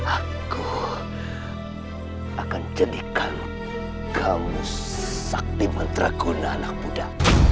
aku akan jadikan kamu sakti menterakunan anak muda